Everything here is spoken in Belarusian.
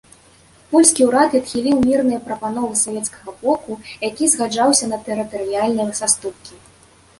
Польскі ўрад адхіліў мірныя прапановы савецкага боку, які згаджаўся на тэрытарыяльныя саступкі.